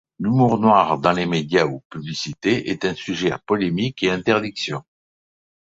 L'humour noir dans les médias ou publicité est un sujet à polémique et interdiction.